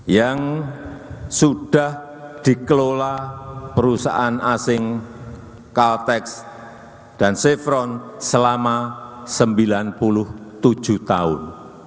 yang sudah dikelola perusahaan asing caltex dan chevron selama sembilan puluh tujuh tahun